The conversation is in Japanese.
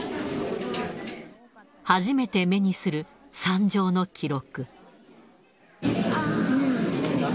初めて目にする惨状の記録。